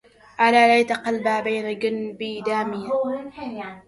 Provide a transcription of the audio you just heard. ألا ليت قلبا بين جنبي داميا